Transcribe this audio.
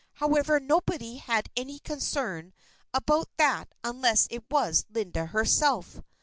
However, nobody had any concern about that unless it was Linda herself.